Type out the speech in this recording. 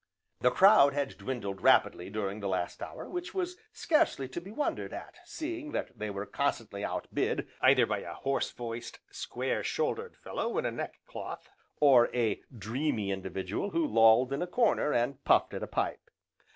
The crowd had dwindled rapidly during the last hour, which was scarcely to be wondered at seeing that they were constantly out bid either by a hoarse voiced, square shouldered fellow in a neck cloth, or a dreamy individual who lolled in a corner, and puffed at a pipe.